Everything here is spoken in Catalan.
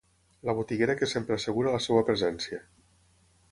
La botiguera que sempre assegura la seva presència.